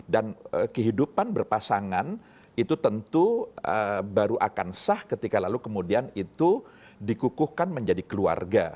dan kehidupan berpasangan itu tentu baru akan sah ketika lalu kemudian itu dikukuhkan menjadi keluarga